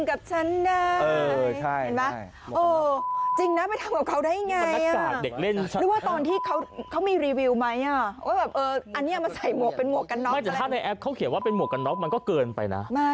โอ้ยจริงนะไปทำกับเขาได้ยังไง